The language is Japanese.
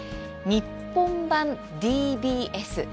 日本版ＤＢＳ。